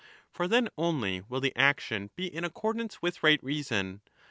For then only will the action be in accordance with right reason.